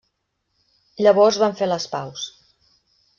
Llavors van fer les paus.